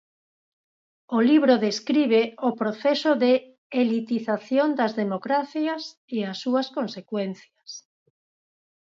O libro describe o proceso de elitización das democracias e as súas consecuencias.